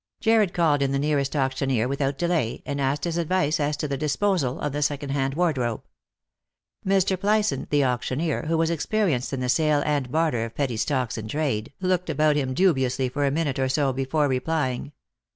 Jarred called in the nearest auctioneer without delay, and &sked his advice as to the disposal of the second hand wardrobe. Mr. Plyson, the auctioneer, who was experienced in the sale and barter of petty stocks in trade, looked about him dubiously for a minute or so before replying.